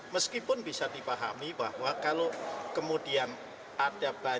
meskipun bisa dipahami bahwa kalau kemudian ada batasan